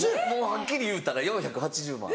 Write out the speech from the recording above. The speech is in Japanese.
はっきり言うたら４８０万。